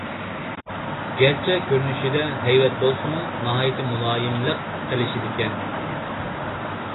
گەرچە كۆرۈنۈشىدە ھەيۋەت بولسىمۇ ناھايىتى مۇلايىملىق قىلىشىدىكەن.